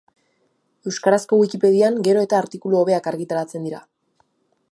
Euskarazko Wikipedian gero eta artikulu hobeak argitaratzen dira.